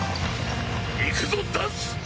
いくぞダンス！